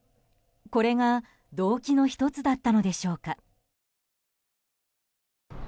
これが動機の１つだったのでしょうか。